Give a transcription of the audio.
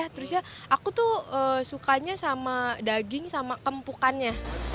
terusnya aku tuh sukanya sama daging sama kempukannya